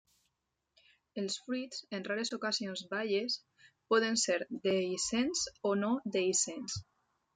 Els fruits, en rares ocasions baies, poden ser dehiscents o no dehiscents.